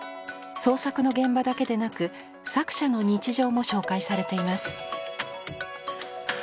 創作の現場だけでなく作者の日常も紹介されています。